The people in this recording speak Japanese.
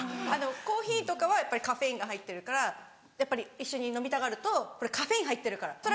コーヒーとかはカフェインが入ってるからやっぱり一緒に飲みたがると「これカフェイン入ってるから」。